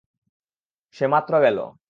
সে মাত্র গেলো।